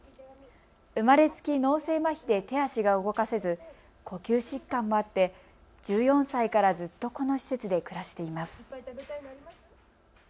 生まれつき脳性まひで手足が動かせず呼吸疾患もあって１４歳からずっとこの施設で暮らしています。